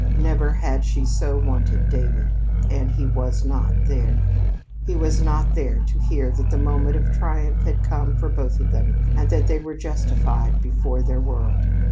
Never had she so wanted David, and he was not there he was not there to hear that the moment of triumph had come for both of them and that they were justified before their world.